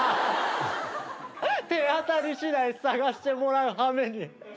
手当たり次第さがしてもらう羽目に。